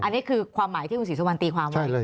อันนี้คือความหมายที่คุณศรีสุวรรณตีความไว้